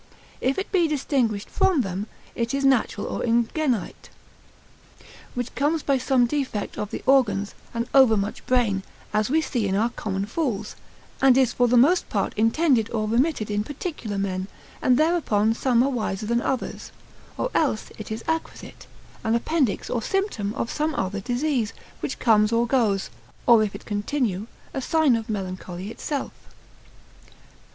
If it be distinguished from them, it is natural or ingenite, which comes by some defect of the organs, and overmuch brain, as we see in our common fools; and is for the most part intended or remitted in particular men, and thereupon some are wiser than others: or else it is acquisite, an appendix or symptom of some other disease, which comes or goes; or if it continue, a sign of melancholy itself.